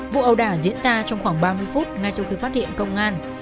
vụ ẩu đả diễn ra trong khoảng ba mươi phút ngay sau khi phát hiện công an